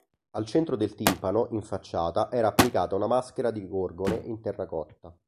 Al centro del timpano in facciata era applicata una maschera di Gorgone in terracotta.